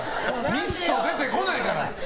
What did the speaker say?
ミスト出てこないから。